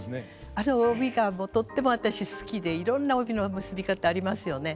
あの帯がとっても私好きでいろんな帯の結び方ありますよね。